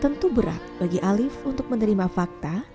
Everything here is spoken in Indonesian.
tentu berat bagi alif untuk menerima fakta